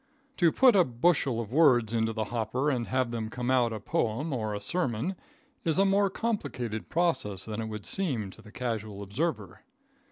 To put a bushel of words into the hopper and have them come out a poem or a sermon, is a more complicated process than it would seem to the casual observer.